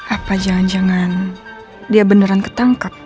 apa jangan jangan dia beneran ketangkap